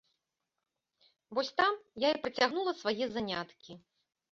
Вось там я і працягнула свае заняткі.